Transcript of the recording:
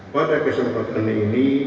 pada kesempatan ini